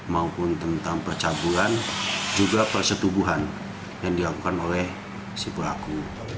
maupun tentang percabulan juga persetubuhan yang dilakukan oleh si pelaku